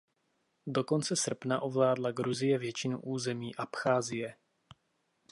Do konce srpna ovládla Gruzie většinu území Abcházie.